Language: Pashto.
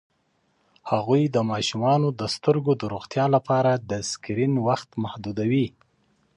هغې د ماشومانو د سترګو د روغتیا لپاره د سکرین وخت محدودوي.